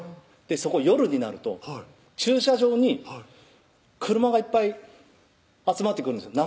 そこ夜になると駐車場に車がいっぱい集まってくるんですよ